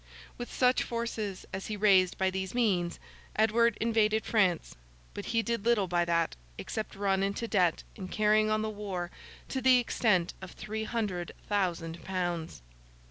With such forces as he raised by these means, Edward invaded France; but he did little by that, except run into debt in carrying on the war to the extent of three hundred thousand pounds.